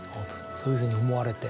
そういうふうに思われて。